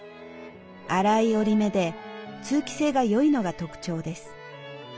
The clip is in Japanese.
粗い織り目で通気性が良いのが特徴です。